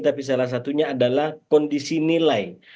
tapi salah satunya adalah kondisi nilai